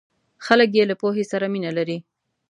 خلک یې له پوهې سره مینه لري.